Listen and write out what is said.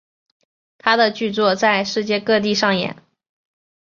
他的剧作在世界各地上演。